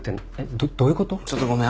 ちょっとごめん。